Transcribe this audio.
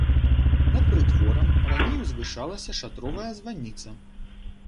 Над прытворам раней узвышалася шатровая званіца.